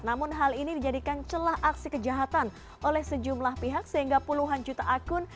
namun hal ini dijadikan celah aksi kejahatan oleh sejumlah pihak sehingga puluhan juta akun